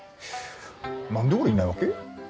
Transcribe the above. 何で俺いないわけ？